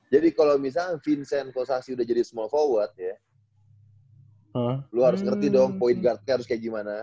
jadi kalo misalnya vincent kossasih udah jadi small forward ya lu harus ngerti dong point guardnya harus kayak gimana